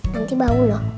nanti bau loh